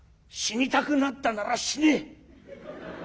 「死にたくなったなら死ね！」。